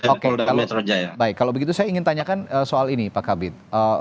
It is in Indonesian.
oke baik kalau begitu saya ingin tanyakan soal ini pak kabit